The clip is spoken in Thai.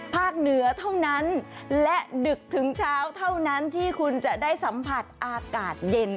เหนือเท่านั้นและดึกถึงเช้าเท่านั้นที่คุณจะได้สัมผัสอากาศเย็น